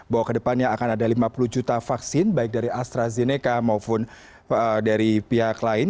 bahwa kedepannya akan ada lima puluh juta vaksin baik dari astrazeneca maupun dari pihak lain